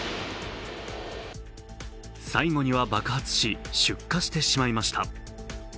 最後には爆発し、出火してしまいました。